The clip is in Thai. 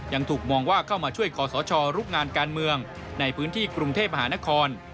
ยังถูกมองว่าเข้ามาช่วยขอสชลุกงานการเมืองในพื้นที่กรุงเทพมหานคร